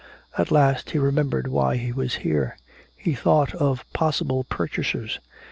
At last he remembered why he was here. He thought of possible purchasers.